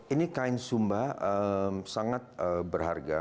ini kain sumba sangat berharga